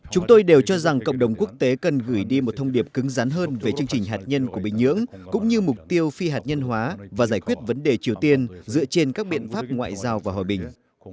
chúng tôi đều cho rằng cộng đồng quốc tế cần gửi đi một thông điệp cứng rắn hơn về chương trình hạt nhân của bình nhưỡng cũng như mục tiêu phi hạt nhân hóa và giải quyết vấn đề triều tiên dựa trên các biện pháp ngoại giao và hòa bình